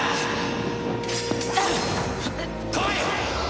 来い！